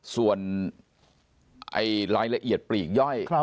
ส่วนรายละเอียดปลีกย่อย